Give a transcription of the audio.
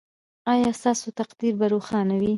ایا ستاسو تقدیر به روښانه وي؟